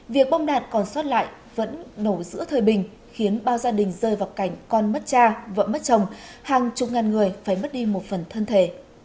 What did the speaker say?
việc bom đạn còn xót lại vẫn đổ giữa thời bình khiến bao gia đình rơi vào cảnh con mất cha vợ mất chồng hàng chục ngàn người phải mất đi một phần thân thể